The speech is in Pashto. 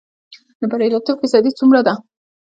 د بریالیتوب فیصدی څومره ده؟